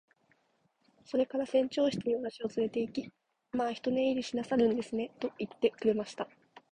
それから船長室に私をつれて行き、「まあ一寝入りしなさるんですね。」と言ってくれました。